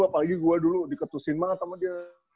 apalagi gue dulu diketusin banget sama dia